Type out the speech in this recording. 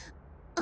あ！